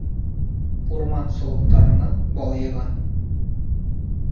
Урман солоҡтарынан бал йыйған.